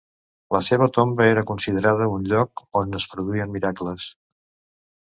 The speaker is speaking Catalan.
La seva tomba era considerada un lloc on es produïen miracles.